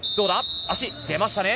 足、出ましたね。